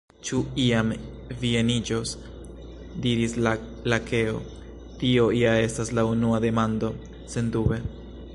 "Ĉu iam vi eniĝos?" diris la Lakeo. "Tio ja estas la unua demando." Sendube!